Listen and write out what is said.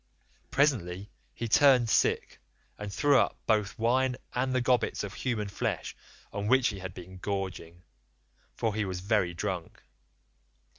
Presently he turned sick, and threw up both wine and the gobbets of human flesh on which he had been gorging, for he was very drunk.